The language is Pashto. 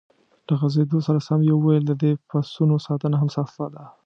له غځېدو سره سم یې وویل: د دې پسونو ساتنه هم سخته ده.